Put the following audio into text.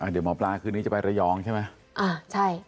เดี๋ยวหมอปลาคืนนี้จะไประยองใช่ไหม